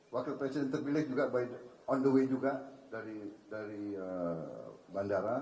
wakil presiden terpilih juga by on the way juga dari bandara